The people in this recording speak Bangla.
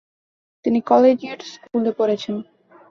তিনি কলেজিয়েট স্কুলে পড়েছেন।